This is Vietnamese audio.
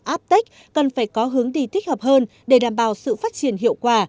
apec cần phải có hướng đi thích hợp hơn để đảm bảo sự phát triển hiệu quả